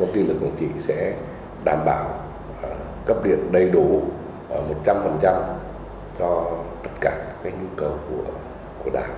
công ty lực lượng chỉ sẽ đảm bảo cấp điện đầy đủ một trăm linh cho tất cả các nhu cầu của đảo